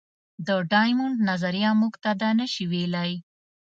د ډایمونډ نظریه موږ ته دا نه شي ویلی.